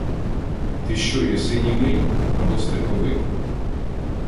— Ти що єси, німий? Або степовик?